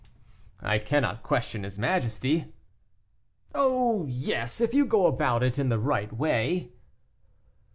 "I cannot question his majesty." "Oh! yes, if you go about it in the right way."